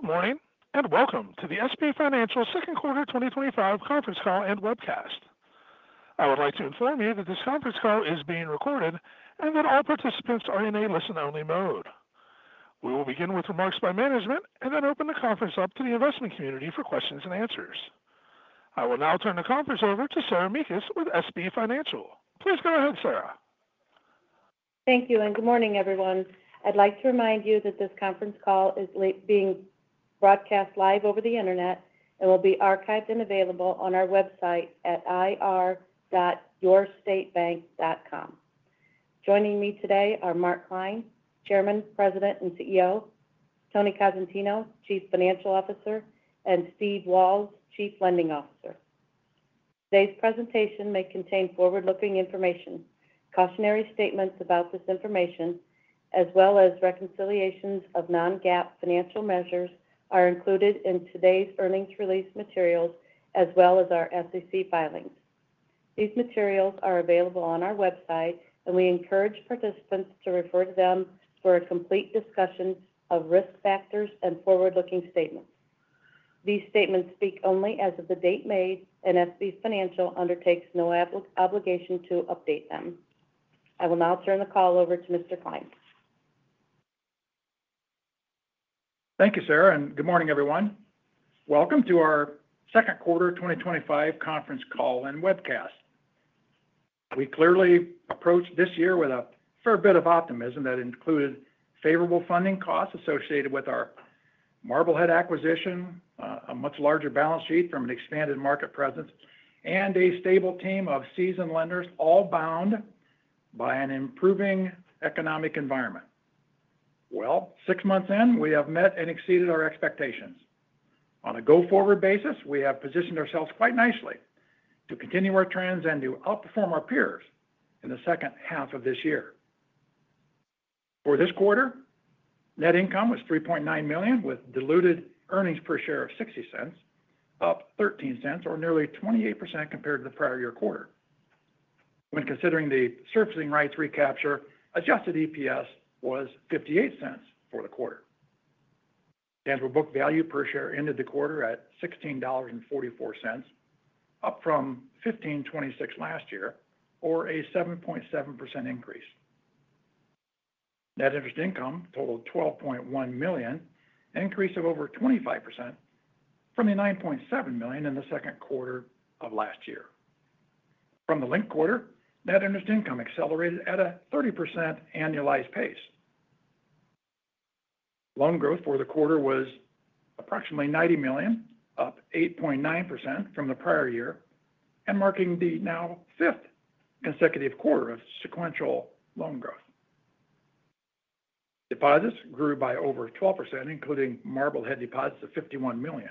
Good morning and welcome to the SB Financial Second Quarter 2025 Conference Call and Webcast. I would like to inform you that this conference call is being recorded and that all participants are in a listen-only mode. We will begin with remarks by management and then open the conference up to the investment community for questions and answers. I will now turn the conference over to Sarah Mekus with SB Financial. Please go ahead Sarah. Thank you and good morning everyone. I'd like to remind you that this conference call is being broadcast live over the internet and will be archived and available on our website at ir.yourstatebank.com. Joining me today are Mark Klein Chairman President and CEO Tony Cosentino Chief Financial Officer and Steve Walz Chief Lending Officer. Today's presentation may contain forward-looking information. Cautionary statements about this information as well as reconciliations of non-GAAP financial measures are included in today's earnings release materials as well as our SEC filings. These materials are available on our website and we encourage participants to refer to them for a complete discussion of risk factors and forward-looking statements. These statements speak only as of the date made and SB Financial undertakes no obligation to update them. I will now turn the call over to Mr. Klein. Thank you Sarah and good morning everyone. Welcome to our Second Quarter 2025 Conference Call and Webcast. We clearly approached this year with a fair bit of optimism that included favorable funding costs associated with our Marblehead acquisition a much larger balance sheet from an expanded market presence and a stable team of seasoned lenders all bound by an improving economic environment. Six months in we have met and exceeded our expectations. On a go-forward basis we have positioned ourselves quite nicely to continue our trends and to outperform our peers in the second half of this year. For this quarter net income was $3.9 million with diluted earnings per share of $0.60 up $0.13 or nearly 28% compared to the prior-year quarter. When considering the servicing rights recapture adjusted EPS was $0.58 for the quarter. The book value per share ended the quarter at $16.44 up from $15.26 last year or a 7.7% increase. Net interest income totaled $12.1 million an increase of over 25% from the $9.7 million in the second quarter of last year. From the linked quarter net interest income accelerated at a 30% annualized pace. Loan growth for the quarter was approximately $90 million up 8.9% from the prior year and marking the now fifth consecutive quarter of sequential loan growth. Deposits grew by over 12% including Marblehead deposits of $51 million.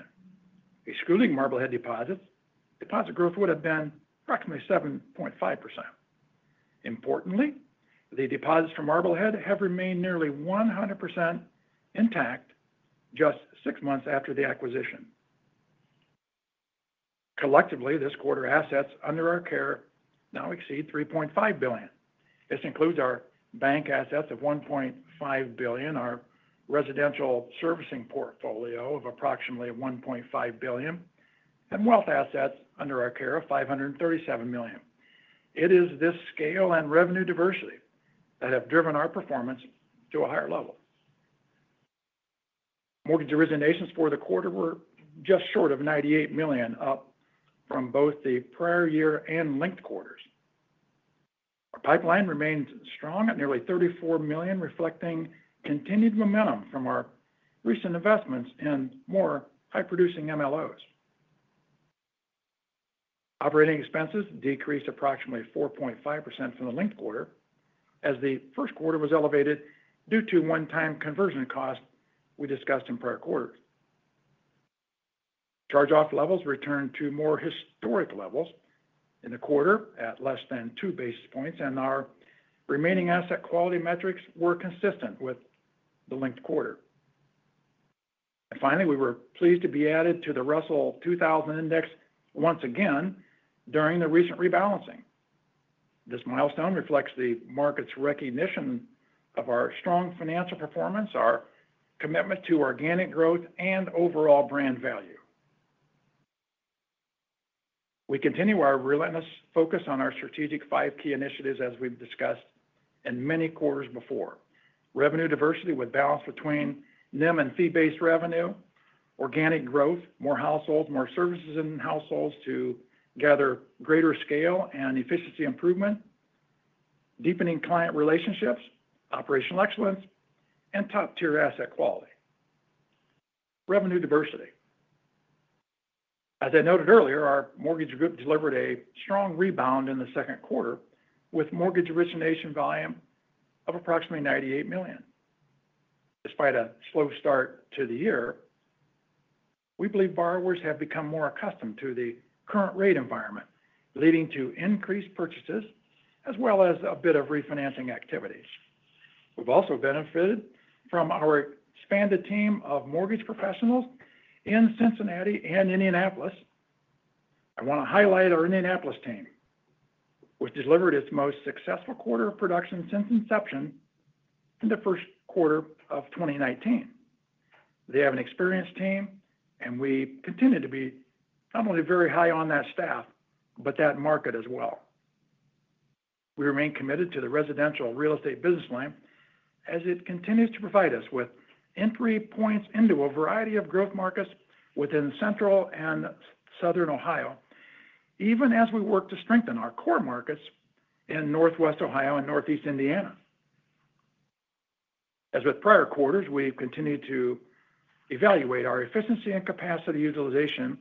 Excluding Marblehead deposits deposit growth would have been approximately 7.5%. Importantly the deposits from Marblehead have remained nearly 100% intact just six months after the acquisition. Collectively this quarter assets under our care now exceed $3.5 billion. This includes our bank assets of $1.5 billion our residential servicing portfolio of approximately $1.5 billion and wealth assets under our care of $537 million. It is this scale and revenue diversity that have driven our performance to a higher level. Mortgage originations for the quarter were just short of $98 million up from both the prior year and linked quarters. Our pipeline remains strong at nearly $34 million reflecting continued momentum from our recent investments and more high-producing MLOs. Operating expenses decreased approximately 4.5% from the linked quarter as the first quarter was elevated due to one-time conversion costs we discussed in prior quarters. Charge-off levels returned to more historic levels in the quarter at less than 2 basis points and our remaining asset quality metrics were consistent with the linked quarter. Finally we were pleased to be added to the Russell 2000 Index once again during the recent rebalancing. This milestone reflects the market's recognition of our strong financial performance our commitment to organic growth and overall brand value. We continue our relentless focus on our strategic five key initiatives as we've discussed in many quarters before. Revenue diversity would balance between NIM and fee-based revenue organic growth more households more services in households to gather greater scale and efficiency improvement deepening client relationships operational excellence and top-tier asset quality. Revenue diversity. As I noted earlier our mortgage group delivered a strong rebound in the second quarter with mortgage origination volume of approximately $98 million. Despite a slow start to the year we believe borrowers have become more accustomed to the current rate environment leading to increased purchases as well as a bit of refinancing activities. We've also benefited from our expanded team of mortgage professionals in Cincinnati and Indianapolis. I want to highlight our Indianapolis team which delivered its most successful quarter of production since inception in the first quarter of 2019. They have an experienced team and we continue to be not only very high on that staff but that market as well. We remain committed to the residential real estate business line as it continues to provide us with entry points into a variety of growth markets within central and southern Ohio even as we work to strengthen our core markets in Northwest Ohio and Northeast Indiana. As with prior quarters we've continued to evaluate our efficiency and capacity utilization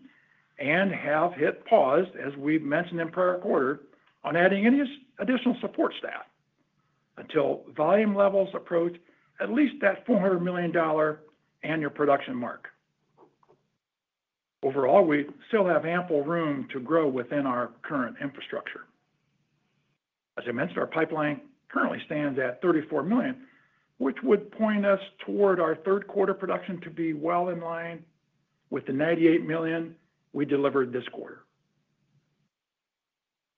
and have hit pause as we've mentioned in prior quarter on adding any additional support staff until volume levels approach at least that $400 million annual production mark. Overall we still have ample room to grow within our current infrastructure. As I mentioned our pipeline currently stands at $34 million which would point us toward our third quarter production to be well in line with the $98 million we delivered this quarter.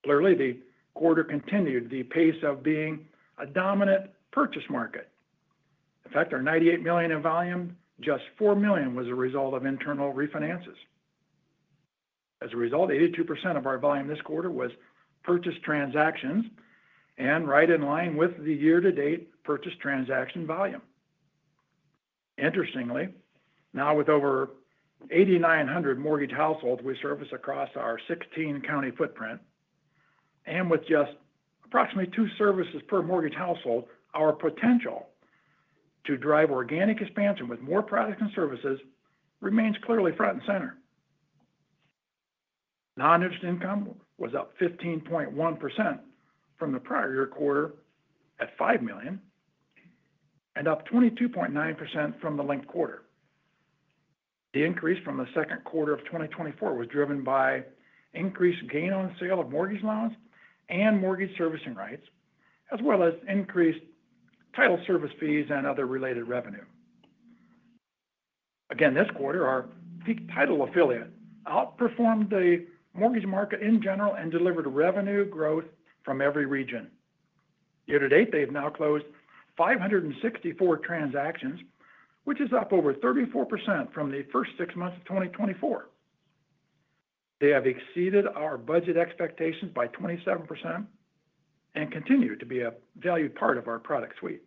Clearly the quarter continued the pace of being a dominant purchase market. In fact our $98 million in volume just $4 million was a result of internal refinances. As a result 82% of our volume this quarter was purchase transactions and right in line with the year-to-date purchase transaction volume. Interestingly now with over 8,900 mortgage households we service across our 16-county footprint and with just approximately two services per mortgage household our potential to drive organic expansion with more products and services remains clearly front and center. Non-interest income was up 15.1% from the prior-year quarter at $5 million and up 22.9% from the linked quarter. The increase from the second quarter of 2024 was driven by increased gain on sale of mortgage loans and mortgage servicing rights as well as increased title service fees and other related revenue. Again this quarter our Peak Title affiliate outperformed the mortgage market in general and delivered revenue growth from every region. Year-to-date they have now closed 564 transactions which is up over 34% from the first six months of 2024. They have exceeded our budget expectations by 27% and continue to be a valued part of our product suite.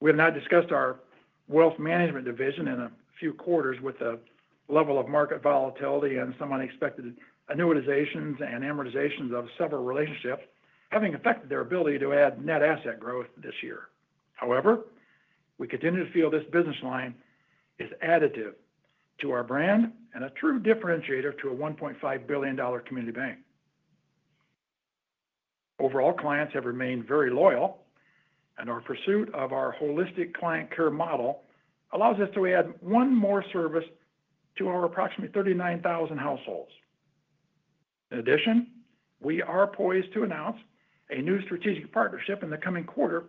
We have now discussed our wealth management division in a few quarters with the level of market volatility and some unexpected annuitizations and amortizations of several relationships having affected their ability to add net asset growth this year. However we continue to feel this business line is additive to our brand and a true differentiator to a $1.5 billion community bank. Overall clients have remained very loyal and our pursuit of our holistic client care model allows us to add one more service to our approximately 39,000 households. In addition we are poised to announce a new strategic partnership in the coming quarter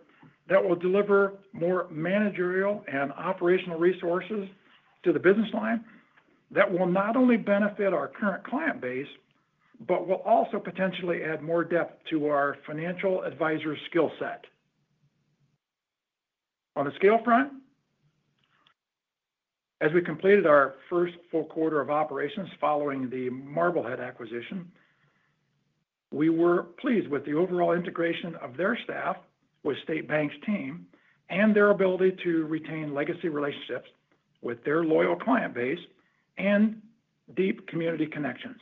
that will deliver more managerial and operational resources to the business line that will not only benefit our current client base but will also potentially add more depth to our financial advisor skill set. On the scale front as we completed our first full quarter of operations following the Marblehead acquisition we were pleased with the overall integration of their staff with State Bank's team and their ability to retain legacy relationships with their loyal client base and deep community connections.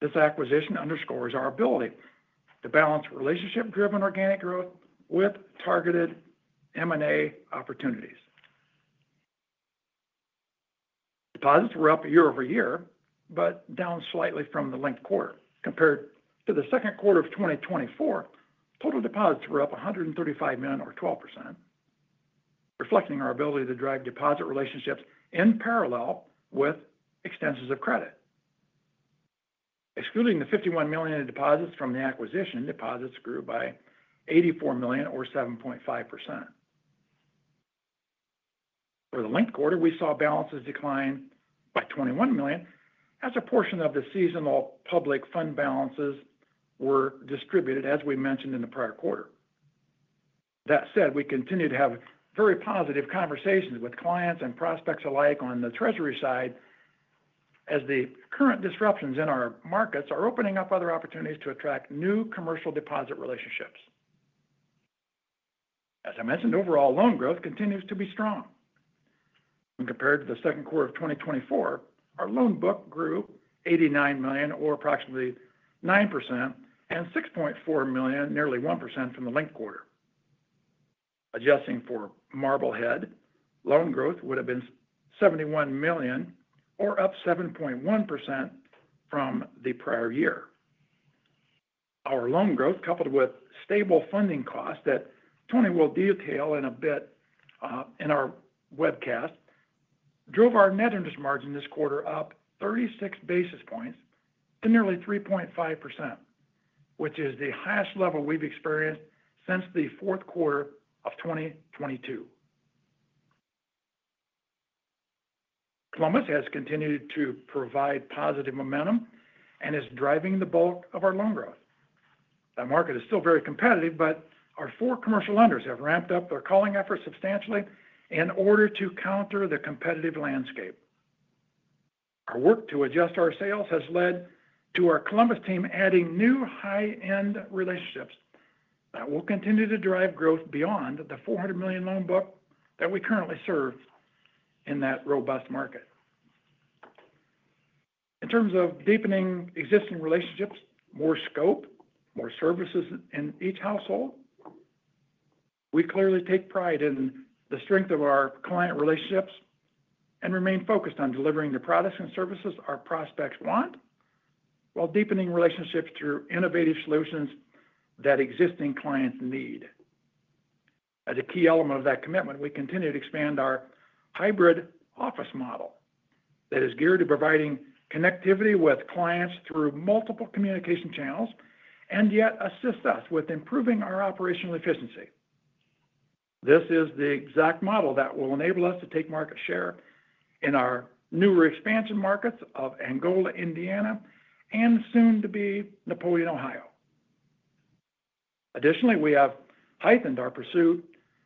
This acquisition underscores our ability to balance relationship-driven organic growth with targeted M&A opportunities. Deposits were up year-over-year but down slightly from the linked quarter. Compared to the second quarter of 2024 total deposits were up $135 million or 12% reflecting our ability to drive deposit relationships in parallel with extensions of credit. Excluding the $51 million in deposits from the acquisition deposits grew by $84 million or 7.5%. For the linked quarter we saw balances decline by $21 million as a portion of the seasonal public fund balances were distributed as we mentioned in the prior quarter. That said we continue to have very positive conversations with clients and prospects alike on the treasury side as the current disruptions in our markets are opening up other opportunities to attract new commercial deposit relationships. As I mentioned overall loan growth continues to be strong. When compared to the second quarter of 2024 our loan book grew $89 million or approximately 9% and $6.4 million nearly 1% from the linked quarter. Adjusting for Marblehead loan growth would have been $71 million or up 7.1% from the prior year. Our loan growth coupled with stable funding costs that Tony will detail in a bit in our webcast drove our net interest margin this quarter up 36 basis points to nearly 3.5% which is the highest level we've experienced since the fourth quarter of 2022. Columbus has continued to provide positive momentum and is driving the bulk of our loan growth. That market is still very competitive but our four commercial lenders have ramped up their calling efforts substantially in order to counter the competitive landscape. Our work to adjust our sales has led to our Columbus team adding new high-end relationships that will continue to drive growth beyond the $400 million loan book that we currently serve in that robust market. In terms of deepening existing relationships more scope more services in each household we clearly take pride in the strength of our client relationships and remain focused on delivering the products and services our prospects want while deepening relationships through innovative solutions that existing clients need. As a key element of that commitment we continue to expand our hybrid office model that is geared to providing connectivity with clients through multiple communication channels and yet assist us with improving our operational efficiency. This is the exact model that will enable us to take market share in our newer expansion markets of Angola Indiana and soon-to-be Napoleon Ohio. Additionally we have heightened our pursuit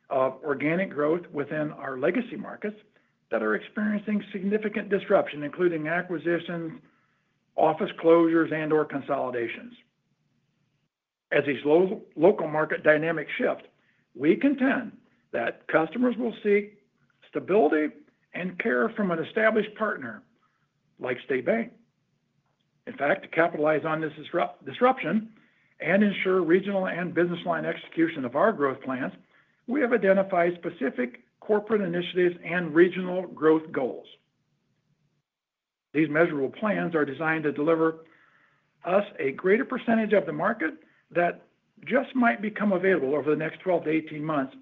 of organic growth within our legacy markets that are experiencing significant disruption including acquisitions office closures and/or consolidations. As these local market dynamics shift we contend that customers will see stability and care from an established partner like State Bank. In fact to capitalize on this disruption and ensure regional and business line execution of our growth plans we have identified specific corporate initiatives and regional growth goals. These measurable plans are designed to deliver us a greater percentage of the market that just might become available over the next 12 months-18 months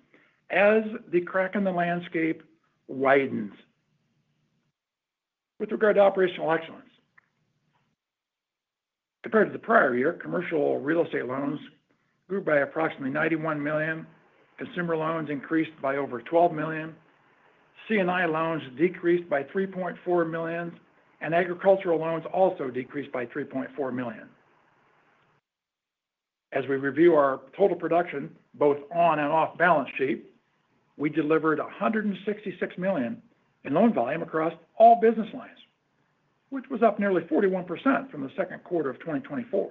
as the crack in the landscape widens. With regard to operational excellence compared to the prior year commercial real estate loans grew by approximately $91 million consumer loans increased by over $12 million C&I loans decreased by $3.4 million and agricultural loans also decreased by $3.4 million. As we review our total production both on and off balance sheet we delivered $166 million in loan volume across all business lines which was up nearly 41% from the second quarter of 2024.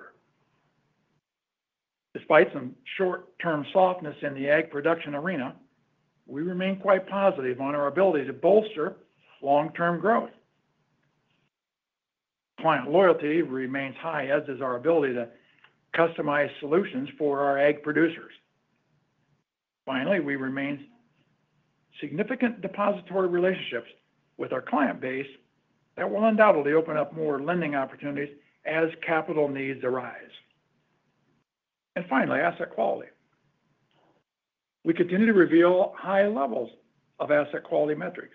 Despite some short-term softness in the ag production arena we remain quite positive on our ability to bolster long-term growth. Client loyalty remains high as does our ability to customize solutions for our ag producers. Finally we remain significant depository relationships with our client base that will undoubtedly open up more lending opportunities as capital needs arise. Finally asset quality. We continue to reveal high levels of asset quality metrics.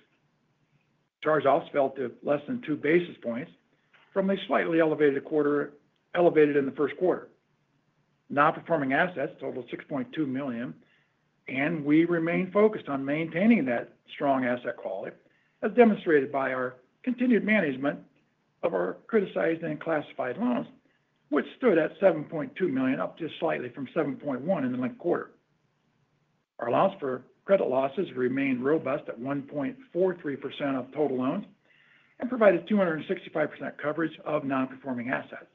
Charge-offs fell to less than 2 basis points from a slightly elevated quarter in the first quarter. Non-performing assets totaled $6.2 million and we remain focused on maintaining that strong asset quality as demonstrated by our continued management of our criticized and classified loans which stood at $7.2 million up just slightly from $7.1 million in the linked quarter. Our allowance for credit losses remained robust at 1.43% of total loans and provided 265% coverage of non-performing assets.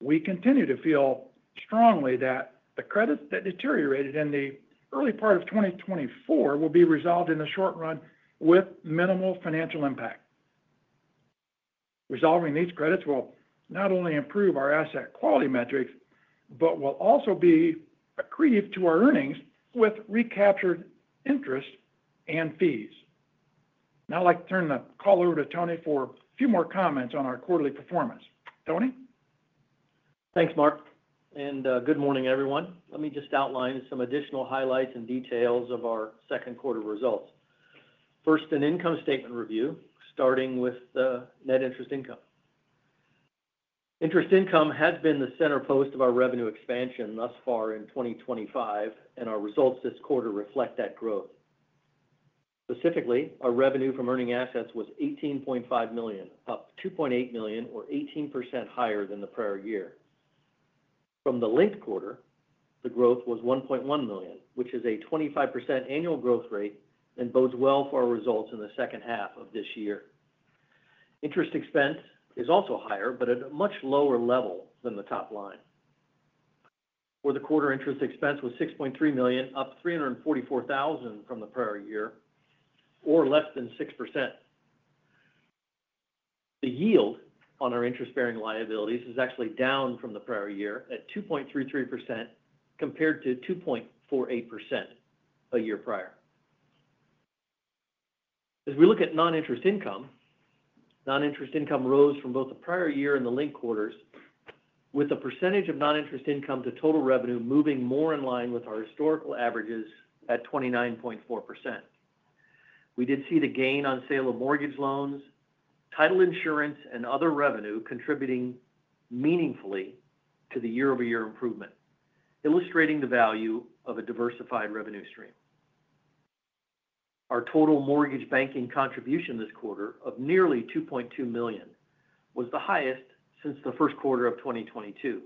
We continue to feel strongly that the credits that deteriorated in the early part of 2024 will be resolved in the short run with minimal financial impact. Resolving these credits will not only improve our asset quality metrics but will also be accretive to our earnings with recaptured interest and fees. Now I'd like to turn the call over to Tony for a few more comments on our quarterly performance. Tony? Thanks Mark and good morning everyone. Let me just outline some additional highlights and details of our second quarter results. First an income statement review starting with the net interest income. Interest income has been the center post of our revenue expansion thus far in 2025 and our results this quarter reflect that growth. Specifically our revenue from earning assets was $18.5 million up $2.8 million or 18% higher than the prior year. From the linked quarter the growth was $1.1 million which is a 25% annual growth rate and bodes well for our results in the second half of this year. Interest expense is also higher but at a much lower level than the top line. For the quarter interest expense was $6.3 million up $344,000 from the prior year or less than 6%. The yield on our interest-bearing liabilities is actually down from the prior year at 2.33% compared to 2.48% a year prior. As we look at non-interest income non-interest income rose from both the prior year and the linked quarters with a percentage of non-interest income to total revenue moving more in line with our historical averages at 29.4%. We did see the gain on sale of mortgage loans title insurance and other revenue contributing meaningfully to the year-over-year improvement illustrating the value of a diversified revenue stream. Our total mortgage banking contribution this quarter of nearly $2.2 million was the highest since the first quarter of 2022.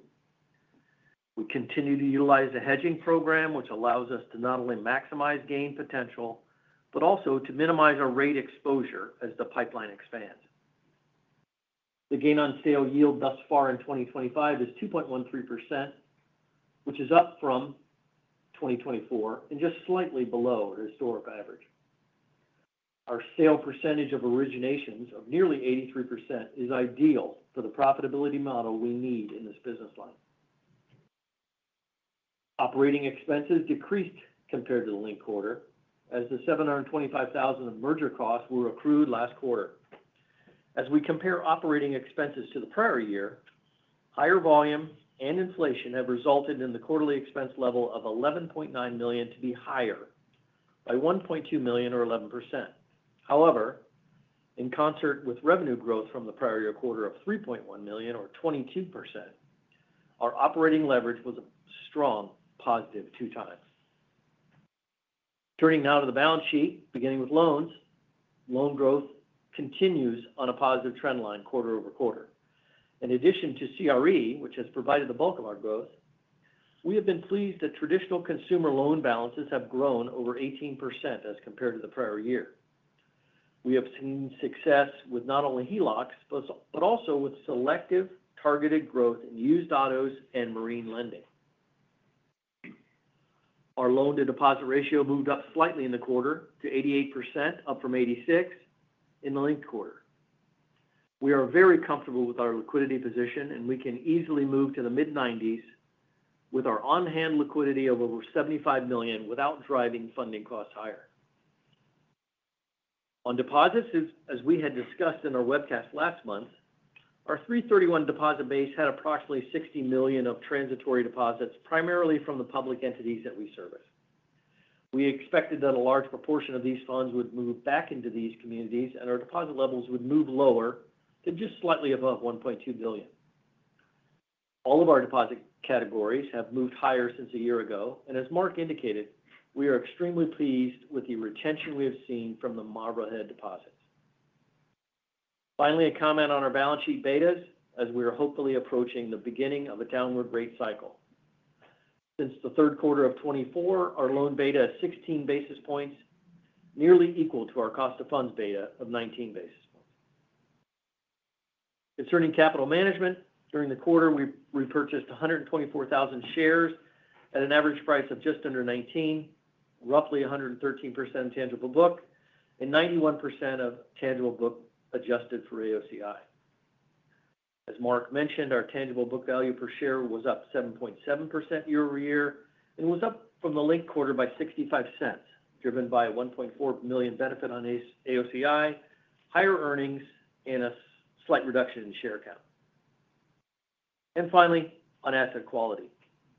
We continue to utilize the hedging program which allows us to not only maximize gain potential but also to minimize our rate exposure as the pipeline expands. The gain on sale yield thus far in 2025 is 2.13% which is up from 2024 and just slightly below the historic average. Our sale percentage of originations of nearly 83% is ideal for the profitability model we need in this business line. Operating expenses decreased compared to the linked quarter as the $725,000 of merger costs were accrued last quarter. As we compare operating expenses to the prior year higher volume and inflation have resulted in the quarterly expense level of $11.9 million to be higher by $1.2 million or 11%. However in concert with revenue growth from the prior-year quarter of $3.1 million or 22% our operating leverage was a strong +2x. Turning now to the balance sheet beginning with loans loan growth continues on a positive trend line quarter-over-quarter. In addition to CRE which has provided the bulk of our growth we have been pleased that traditional consumer loan balances have grown over 18% as compared to the prior year. We have seen success with not only HELOCs but also with selective targeted growth in used autos and marine lending. Our loan-to-deposit ratio moved up slightly in the quarter to 88% up from 86% in the linked quarter. We are very comfortable with our liquidity position and we can easily move to the mid 90% with our on-hand liquidity of over $75 million without driving funding costs higher. On deposits as we had discussed in our webcast last month our 3/31 deposit base had approximately $60 million of transitory deposits primarily from the public entities that we service. We expected that a large proportion of these funds would move back into these communities and our deposit levels would move lower to just slightly above $1.2 billion. All of our deposit categories have moved higher since a year ago and as Mark indicated we are extremely pleased with the retention we have seen from the Marblehead deposits. Finally a comment on our balance sheet betas as we are hopefully approaching the beginning of a downward rate cycle. Since the third quarter of 2024 our loan beta is 16 basis points nearly equal to our cost of funds beta of 19 basis points. Concerning capital management during the quarter we repurchased 124,000 shares at an average price of just under $19 roughly 113% tangible book and 91% of tangible book adjusted for AOCI. As Mark mentioned our tangible book value per share was up 7.7% year-over-year and was up from the linked quarter by $0.65 driven by a $1.4 million benefit on AOCI higher earnings and a slight reduction in share count. Finally on asset quality.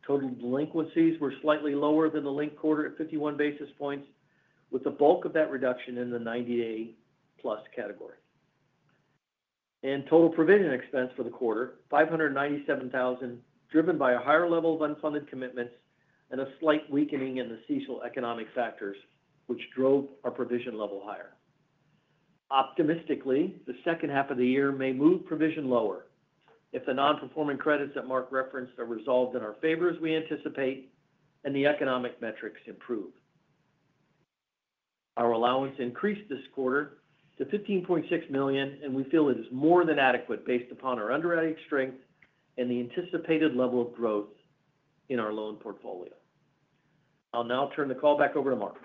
Total delinquencies were slightly lower than the linked quarter at 51 basis points with the bulk of that reduction in the 90+-day category. Total provision expense for the quarter was $597,000 driven by a higher level of unfunded commitments and a slight weakening in the seasonal economic factors which drove our provision level higher. Optimistically the second half of the year may move provision lower if the non-performing credits that Mark referenced are resolved in our favor as we anticipate and the economic metrics improve. Our allowance increased this quarter to $15.6 million and we feel it is more than adequate based upon our underwriting strength and the anticipated level of growth in our loan portfolio. I'll now turn the call back over to Mark.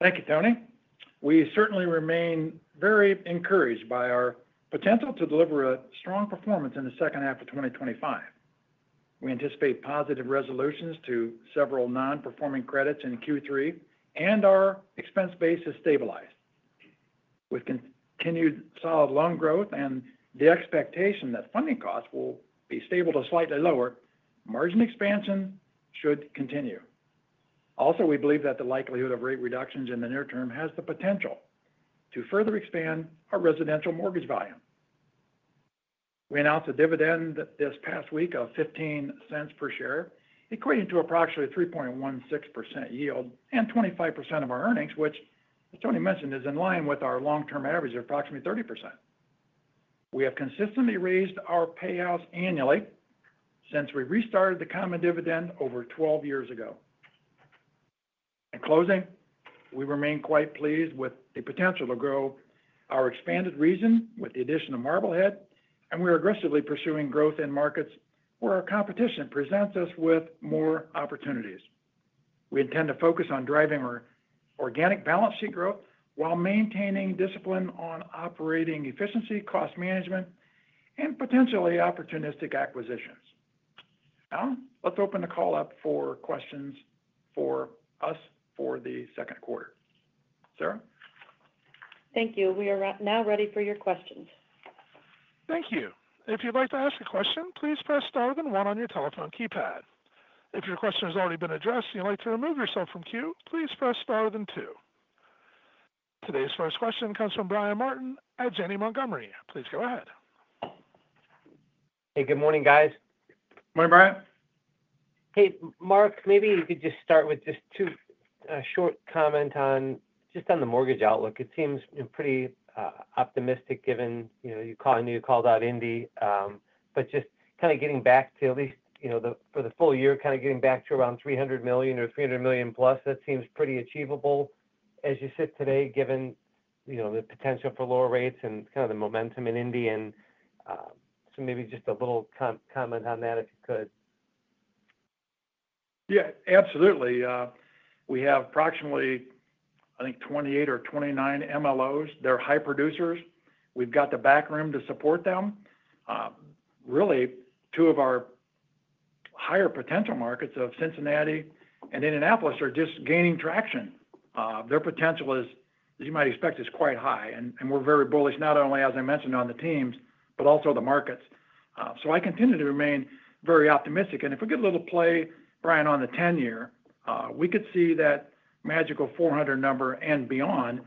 Thank you Tony. We certainly remain very encouraged by our potential to deliver a strong performance in the second half of 2025. We anticipate positive resolutions to several non-performing credits in Q3 and our expense base has stabilized. With continued solid loan growth and the expectation that funding costs will be stable to slightly lower margin expansion should continue. Also we believe that the likelihood of rate reductions in the near term has the potential to further expand our residential mortgage volume. We announced a dividend this past week of $0.15 per share equating to approximately a 3.16% yield and 25% of our earnings which as Tony mentioned is in line with our long-term average of approximately 30%. We have consistently raised our payouts annually since we restarted the common dividend over 12 years ago. In closing we remain quite pleased with the potential to grow our expanded region with the addition of Marblehead and we are aggressively pursuing growth in markets where our competition presents us with more opportunities. We intend to focus on driving our organic balance sheet growth while maintaining discipline on operating efficiency cost management and potentially opportunistic acquisitions. Now let's open the call up for questions for us for the second quarter. Sarah? Thank you. We are now ready for your questions. Thank you. If you'd like to ask a question please press star then one on your telephone keypad. If your question has already been addressed and you'd like to remove yourself from queue please press star then two. Today's first question comes from Brian Martin at Janney Montgomery. Please go ahead. Hey good morning guys. Morning Brian. Hey Mark maybe you could just start with two short comments on the mortgage outlook. It seems pretty optimistic given you called out Indy but just kind of getting back to at least for the full year kind of getting back to around $300 million or $300 million+ that seems pretty achievable as you sit today given the potential for lower rates and the momentum in Indiy. Maybe just a little comment on that if you could. Yeah absolutely. We have approximately I think 28 or 29 MLOs. They're high producers. We've got the back room to support them. Really two of our higher potential markets of Cincinnati and Indianapolis are just gaining traction. Their potential is as you might expect quite high and we're very bullish not only as I mentioned on the teams but also the markets. I continue to remain very optimistic and if we get a little play Brian on the 10-year we could see that magical $400 million number and beyond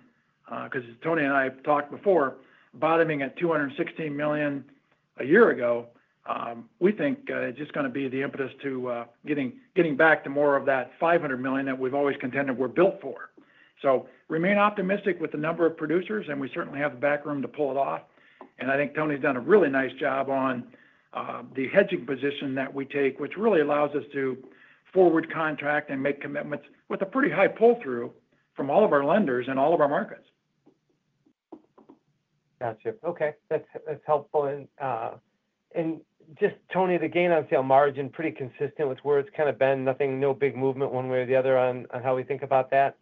because Tony and I talked before bottoming at $216 million a year ago. We think it's just going to be the impetus to getting back to more of that $500 million that we've always contended we're built for. Remain optimistic with the number of producers and we certainly have the back room to pull it off. I think Tony's done a really nice job on the hedging position that we take which really allows us to forward contract and make commitments with a pretty high pull-through from all of our lenders in all of our markets. Got you. Okay that's helpful. Tony the gain on sale margin is pretty consistent with where it's kind of been. Nothing no big movement one way or the other on how we think about that.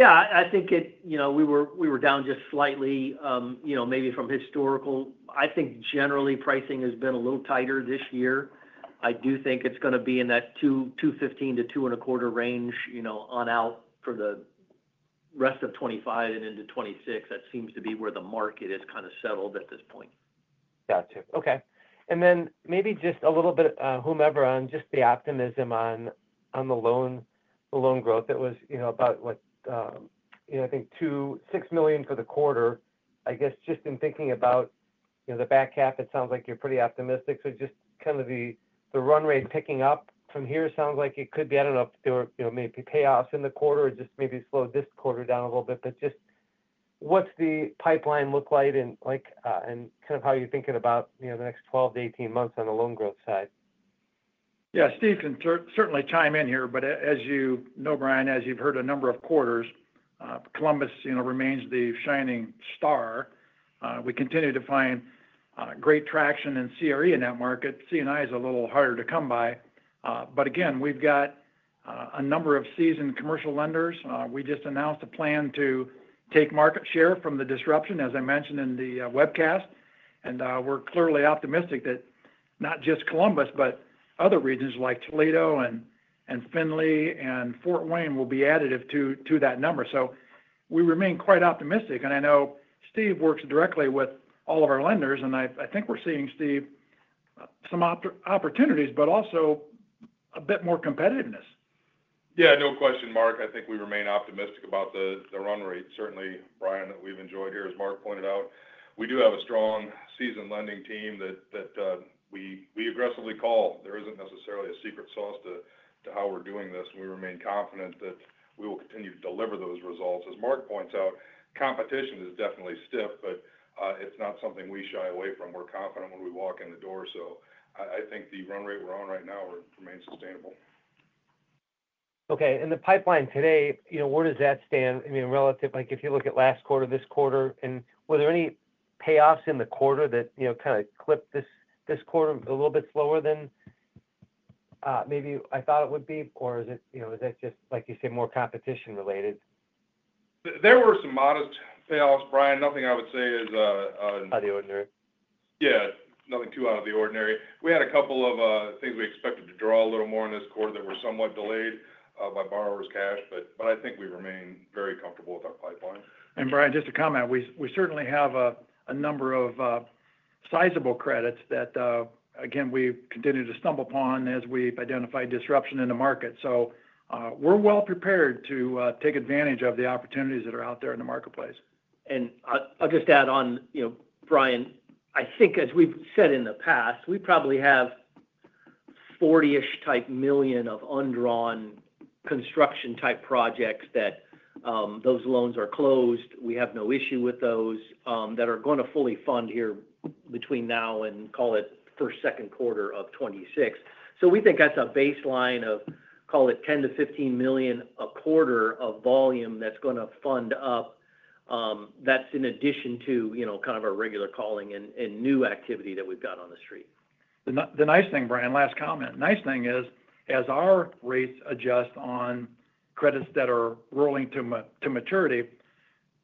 I think we were down just slightly maybe from historical. I think generally pricing has been a little tighter this year. I do think it's going to be in that $2.15-$2.25 range on out for the rest of 2025 and into 2026. That seems to be where the market is kind of settled at this point. Got you. Okay. Maybe just a little bit whomever on just the optimism on the loan growth. It was about I think $6 million for the quarter. I guess just in thinking about the back half it sounds like you're pretty optimistic. Just kind of the run rate picking up from here sounds like it could be I don't know if there were maybe payouts in the quarter or just maybe slowed this quarter down a little bit but just what's the pipeline look like and how you're thinking about the next 12 months-18 months on the loan growth side? Yeah Steve can certainly chime in here but as you know Brian as you've heard a number of quarters Columbus remains the shining star. We continue to find great traction in CRE in that market. C&I is a little harder to come by. We've got a number of seasoned commercial lenders. We just announced a plan to take market share from the disruption as I mentioned in the webcast and we're clearly optimistic that not just Columbus but other regions like Toledo and Findlay and Fort Wayne will be additive to that number. We remain quite optimistic and I know Steve works directly with all of our lenders and I think we're seeing Steve some opportunities but also a bit more competitiveness. Yeah no question Mark. I think we remain optimistic about the run rate. Certainly Brian that we've enjoyed here as Mark pointed out we do have a strong seasoned lending team that we aggressively call. There isn't necessarily a secret sauce to how we're doing this and we remain confident that we will continue to deliver those results. As Mark points out competition is definitely stiff but it's not something we shy away from. We're confident when we walk in the door. I think the run rate we're on right now remains sustainable. Okay and the pipeline today where does that stand? I mean relative like if you look at last quarter this quarter and were there any payoffs in the quarter that kind of clipped this quarter a little bit slower than maybe I thought it would be or is it you know is that just like you say more competition related? There were some modest payoffs Brian. Nothing I would say is... Out of the ordinary. Yeah nothing too out of the ordinary. We had a couple of things we expected to draw a little more in this quarter that were somewhat delayed by borrowers' cash but I think we remain very comfortable with our pipeline. Brian just to comment we certainly have a number of sizable credits that we continue to stumble upon as we've identified disruption in the market. We are well prepared to take advantage of the opportunities that are out there in the marketplace. I'll just add on you know Brian I think as we've said in the past we probably have $40-ish million type of undrawn construction type projects that those loans are closed. We have no issue with those that are going to fully fund here between now and call it first second quarter of 2026. We think that's a baseline of call it $10 million-$15 million a quarter of volume that's going to fund up. That's in addition to you know kind of our regular calling and new activity that we've got on the street. The nice thing Brian last comment the nice thing is as our rates adjust on credits that are rolling to maturity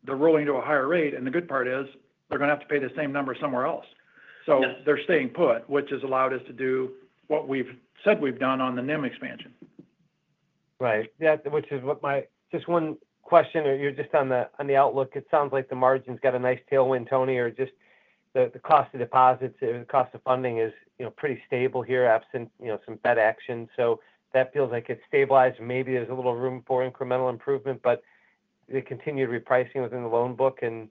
they're rolling to a higher rate and the good part is they're going to have to pay the same number somewhere else. They're staying put which has allowed us to do what we've said we've done on the NIM expansion. Right. Just one question on the outlook. It sounds like the margin's got a nice tailwind Tony or just the cost of deposits or the cost of funding is pretty stable here absent some Fed action. That feels like it's stabilized and maybe there's a little room for incremental improvement but the continued repricing within the loan book and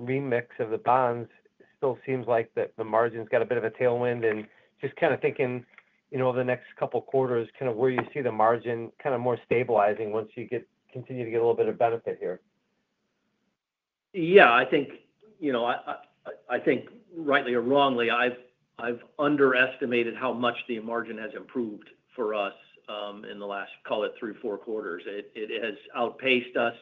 remix of the bonds still seems like the margin's got a bit of a tailwind. Just kind of thinking over the next couple quarters where you see the margin kind of more stabilizing once you continue to get a little bit of benefit here. Yeah I think you know I think rightly or wrongly I've underestimated how much the margin has improved for us in the last call it three four quarters. It has outpaced us.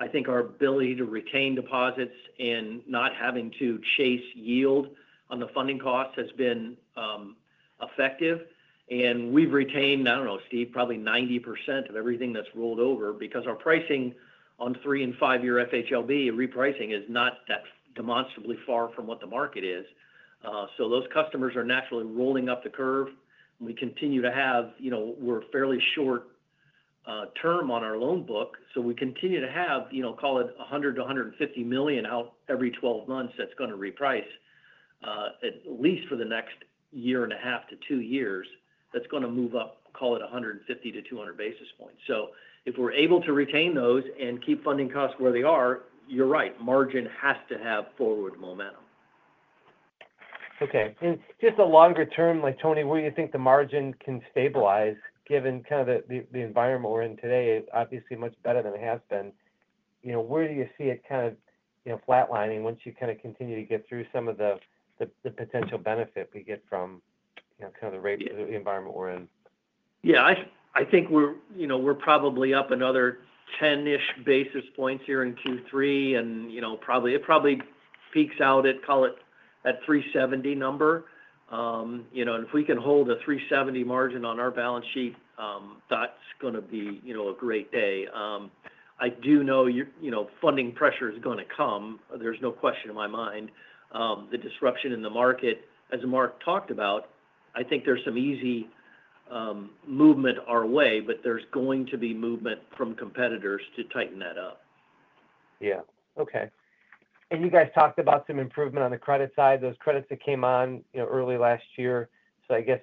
I think our ability to retain deposits and not having to chase yield on the funding costs has been effective. We've retained I don't know Steve probably 90% of everything that's rolled over because our pricing on three and five-year FHLB repricing is not that demonstrably far from what the market is. Those customers are naturally rolling up the curve. We continue to have you know we're fairly short-term on our loan book. We continue to have you know call it $100 million-$150 million out every 12 months that's going to reprice at least for the next year-and-a-half to two years that's going to move up call it 150 basis points-200 basis points. If we're able to retain those and keep funding costs where they are you're right margin has to have forward momentum. Okay and just a longer term like Tony where do you think the margin can stabilize given kind of the environment we're in today? Obviously much better than it has been. Where do you see it kind of flatlining once you continue to get through some of the potential benefit we get from the rate of the environment we're in? Yeah I think we're probably up another 10-ish basis points here in Q3 and it probably peaks out at call it that $370,000 number. If we can hold a $370,000 margin on our balance sheet that's going to be a great day. I do know funding pressure is going to come. There's no question in my mind. The disruption in the market as Mark talked about I think there's some easy movement our way but there's going to be movement from competitors to tighten that up. Okay. You guys talked about some improvement on the credit side those credits that came on early last year. I guess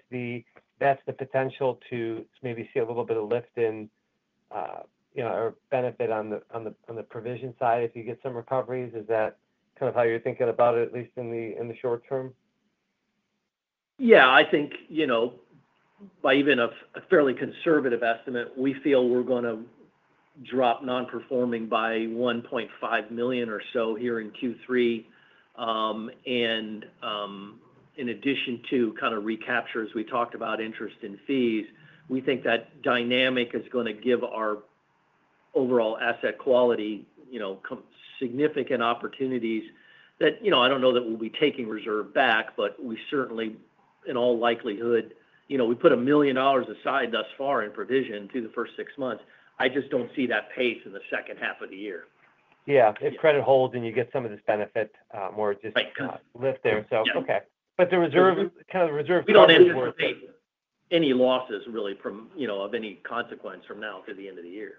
that's the potential to maybe see a little bit of lift in or benefit on the provision side if you get some recoveries. Is that kind of how you're thinking about it at least in the short term? Yeah I think by even a fairly conservative estimate we feel we're going to drop non-performing by $1.5 million or so here in Q3. In addition to kind of recapture as we talked about interest and fees we think that dynamic is going to give our overall asset quality significant opportunities. I don't know that we'll be taking reserve back but we certainly in all likelihood we put $1 million aside thus far in provision through the first six months. I just don't see that pace in the second half of the year. Yeah if credit holds and you get some of this benefit more just lift there. Okay. We don't anticipate any losses really from you know of any consequence from now to the end of the year.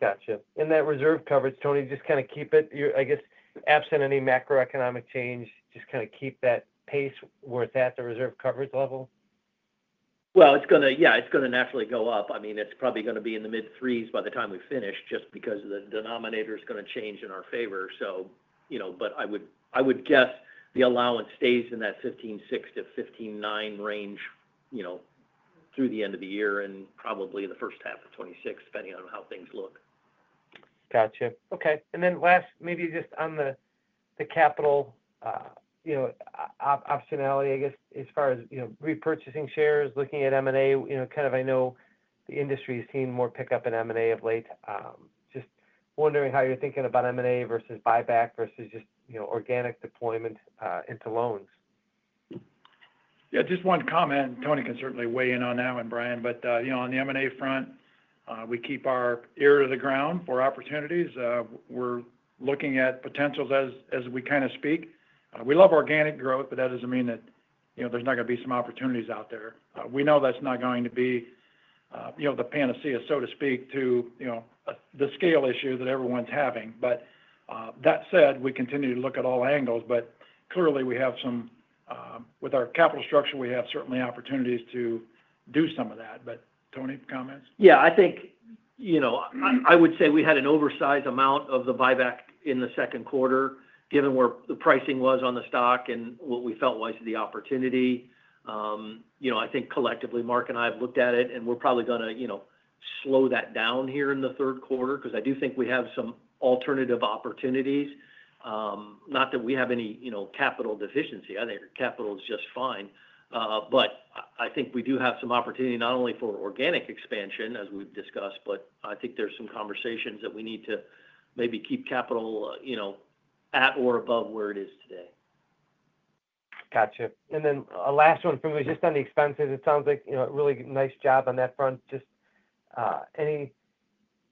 Got you. That reserve coverage Tony just kind of keep it I guess absent any macroeconomic change just kind of keep that pace where it's at the reserve coverage level? It is going to naturally go up. It is probably going to be in the mid-threes by the time we finish just because the denominator is going to change in our favor. I would guess the allowance stays in that $15.6 million-$15.9 million range through the end of the year and probably the first half of 2026 depending on how things look. Got you. Okay. Last maybe just on the capital optionality I guess as far as repurchasing shares looking at M&A I know the industry has seen more pickup in M&A of late. Just wondering how you're thinking about M&A versus buyback versus just organic deployment into loans. Yeah just one comment. Tony can certainly weigh in on that one Brian. On the M&A front we keep our ear to the ground for opportunities. We're looking at potentials as we kind of speak. We love organic growth but that doesn't mean that there's not going to be some opportunities out there. We know that's not going to be the panacea so to speak to the scale issue that everyone's having. That said we continue to look at all angles. Clearly with our capital structure we have certainly opportunities to do some of that. Tony comments? Yeah I think I would say we had an oversized amount of the buyback in the second quarter given where the pricing was on the stock and what we felt was the opportunity. I think collectively Mark and I have looked at it and we're probably going to slow that down here in the third quarter because I do think we have some alternative opportunities. Not that we have any capital deficiency. I think our capital is just fine. I think we do have some opportunity not only for organic expansion as we've discussed but I think there's some conversations that we need to maybe keep capital at or above where it is today. Got you. A last one for me just on the expenses. It sounds like you know a really nice job on that front. Just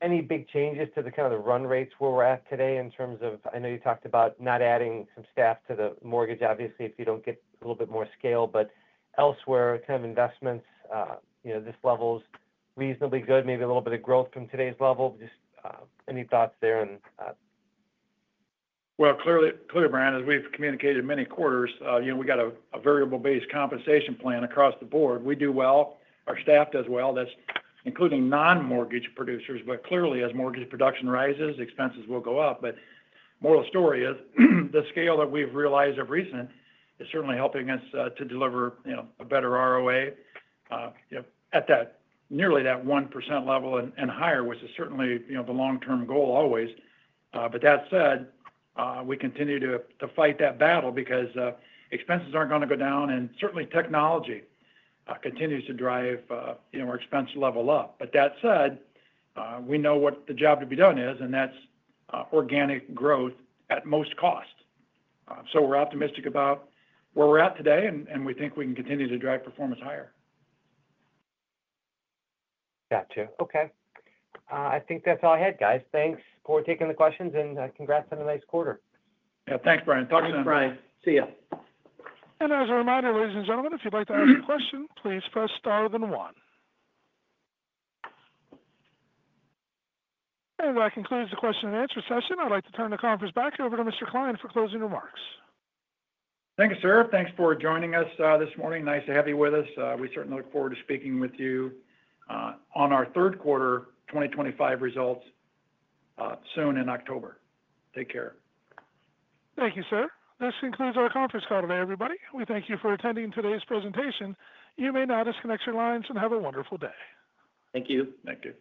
any big changes to the kind of the run rates where we're at today in terms of I know you talked about not adding some staff to the mortgage obviously if you don't get a little bit more scale but elsewhere kind of investments you know this level's reasonably good maybe a little bit of growth from today's level. Just any thoughts there? Brian as we've communicated many quarters you know we got a variable-based compensation plan across the board. We do well. Our staff does well. That's including non-mortgage producers. Clearly as mortgage production rises expenses will go up. The moral story is the scale that we've realized of recent is certainly helping us to deliver you know a better ROA you know at that nearly that 1% level and higher which is certainly you know the long-term goal always. That said we continue to fight that battle because expenses aren't going to go down and certainly technology continues to drive you know our expense level up. That said we know what the job to be done is and that's organic growth at most cost. We're optimistic about where we're at today and we think we can continue to drive performance higher. Got you. Okay. I think that's all I had guys. Thanks for taking the questions and congrats on a nice quarter. Yeah thanks Brian. Talk to you next week. See you. As a reminder ladies and gentlemen if you'd like to ask a question please press star then one. That concludes the question-and-answer session. I'd like to turn the conference back over to Mr. Klein for closing remarks. Thank you sir. Thanks for joining us this morning. Nice to have you with us. We certainly look forward to speaking with you on our third quarter 2025 results soon in October. Take care. Thank you sir. This concludes our conference call today everybody. We thank you for attending today's presentation. You may now disconnect your lines and have a wonderful day. Thank you. Thank you.